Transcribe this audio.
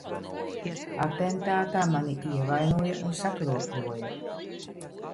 Atentātā mani ievainoja un sakropļoja.